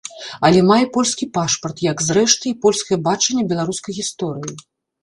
Але мае польскі пашпарт, як, зрэшты, і польскае бачанне беларускай гісторыі.